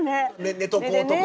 寝とこうとか。